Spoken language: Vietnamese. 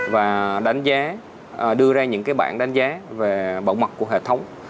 và đánh giá đưa ra những bản đánh giá về bảo mật của hệ thống